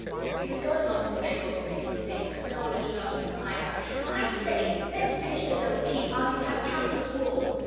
He was going on to say what it made him think, but Noel interrupted and cried out, 'I say; let's finish off this old tea party and have a council of war.